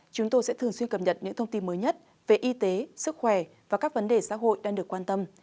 chúng tôi sẽ thường xuyên cập nhật những thông tin mới nhất về y tế sức khỏe và các vấn đề xã hội đang được quan tâm